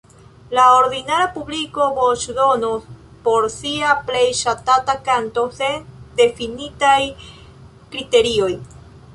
La ordinara publiko voĉdonos por sia plej ŝatata kanto, sen difinitaj kriterioj.